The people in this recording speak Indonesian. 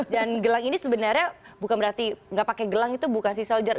dan gelang ini sebenarnya bukan berarti gak pakai gelang itu bukan sea soldier